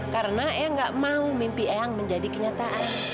karena eyang gak mau mimpi eyang menjadi kenyataan